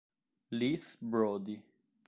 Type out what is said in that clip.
Leith Brodie